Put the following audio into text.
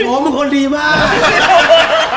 โอ้มึงคนดีมาก